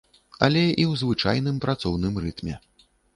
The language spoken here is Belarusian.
Але і ў звычайным працоўным рытме.